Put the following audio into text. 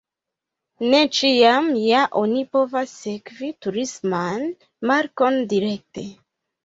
Ne ĉiam ja oni povas sekvi turisman markon direkte.